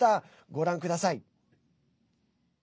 ご覧ください。